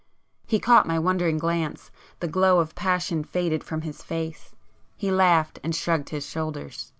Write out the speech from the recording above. He caught my wondering glance,—the glow of passion faded from his face,—he laughed and shrugged his shoulders.